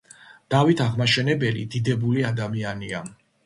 დავით აღმაშენებელი დიდებული ადამიანია